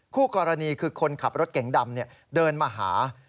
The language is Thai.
คู่กรณีคือคนขับรถเก๋งดำเดินมาหา